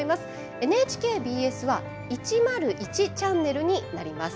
ＮＨＫＢＳは１０１チャンネルになります。